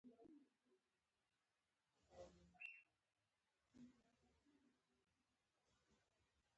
پنېر باید پاکو وسایلو سره جوړ شي.